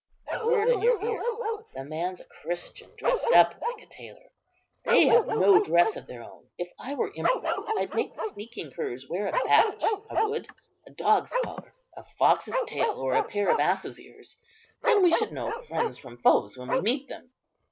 A word in your ear. The man's a Christian, dressed up like a tailor. They have no dress of their own. If I were emperor, I'd make the sneaking curs wear a badge, I would; a dog's collar, a fox's tail, or a pair of ass's ears. Then we should know friends from foes when we meet them."